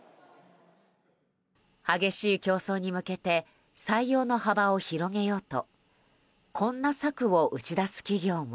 激しい競争に向けて採用の幅を広げようとこんな策を打ち出す企業も。